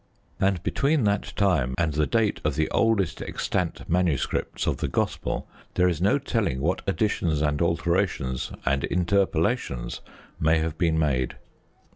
And between that time and the date of the oldest extant manuscripts of the Gospel there is no telling what additions and alterations and interpolations may have been made.